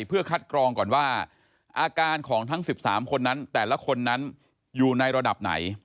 เพื่อคัดกรองก่อนว่าอาการของทั้ง๑๓คนนั้นแต่ละคนนั้นอยู่ในระดับไหน